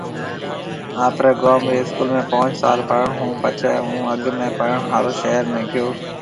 آپري گوم ري اسڪول ۾ پونچ سال پڙهڻ هُون پڇي هَون اڳ ۾ پڙهڻ هارو شهر ۾ گيو